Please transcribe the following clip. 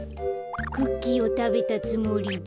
クッキーをたべたつもりで。